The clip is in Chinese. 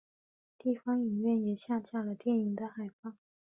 地方影院也下架了电影的海报。